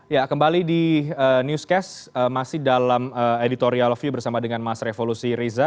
ya kembali di newscast masih dalam editorial view bersama dengan mas revolusi riza